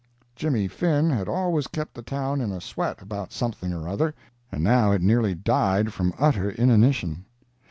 Jimmy Finn had always kept the town in a sweat about something or other, and now it nearly died from utter inanition.